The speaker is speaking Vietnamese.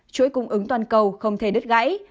chuỗi cung ứng toàn cầu không thể đứt gãy